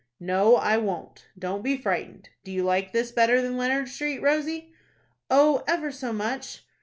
"No, I won't. Don't be frightened. Do you like this better than Leonard Street, Rosie?" "Oh, ever so much."